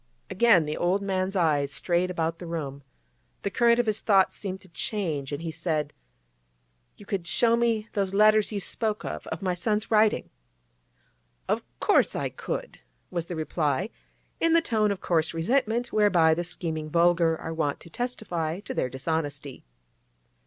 Again the old man's eyes strayed about the room. The current of his thoughts seemed to change, and he said: 'You could show me those letters you spoke of—of my son's writing?' 'Of course I could,' was the reply, in the tone of coarse resentment whereby the scheming vulgar are wont to testify to their dishonesty.